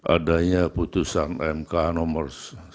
adanya putusan mk nomor sembilan puluh